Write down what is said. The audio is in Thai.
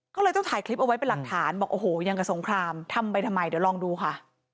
ก็เลยต้องถ่ายคลิปเอาไว้เป็นหลักฐานบอกโอ้โหยังกับสงครามทำไปทำไมเดี๋ยวลองดูค่ะ